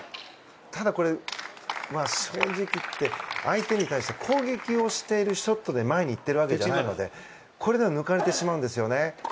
ただ、正直言って相手に対して攻撃をしているショットで前に行ってるわけじゃないのでこれでは抜かれてしまうんです。